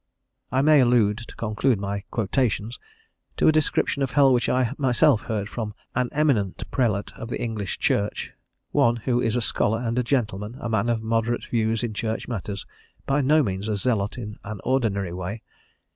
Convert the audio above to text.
'" I may allude, to conclude my quotations, to a description of hell which I myself heard from an eminent prelate of the English Church, one who is a scholar and a gentleman, a man of moderate views in Church matters, by no means a zealot in an ordinary way.